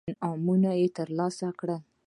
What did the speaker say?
انعامونه ترلاسه کول.